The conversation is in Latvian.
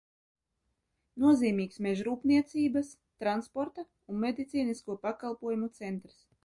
Nozīmīgs mežrūpniecības, transporta un medicīnisko pakalpojumu centrs.